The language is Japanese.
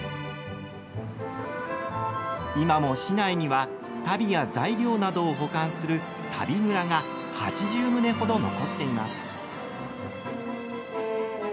今も市内には足袋や材料などを保管する足袋蔵が８０棟ほど残っています。